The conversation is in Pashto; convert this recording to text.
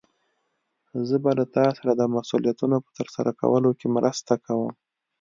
زه به له تا سره د مسؤليتونو په ترسره کولو کې مرسته کوم.